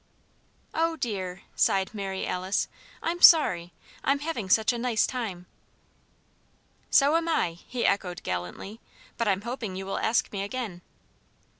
"Oh, dear!" sighed Mary Alice. "I'm sorry! I'm having such a nice time." "So am I," he echoed gallantly, "but I'm hoping you will ask me again."